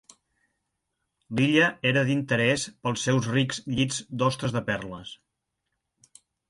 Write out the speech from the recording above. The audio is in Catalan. L'illa era d'interès pels seus rics llits d'ostres de perles.